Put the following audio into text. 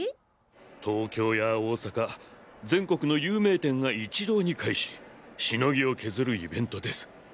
東京や大阪全国の有名店が一堂に会し鎬を削るイベントです。